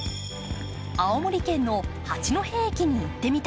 青森県の八戸駅に行ってみた。